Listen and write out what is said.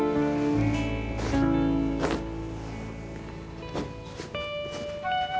nanti kita ke sana